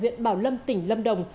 viện bảo lâm tỉnh lâm đồng